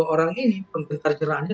dua orang ini penggantar jeratannya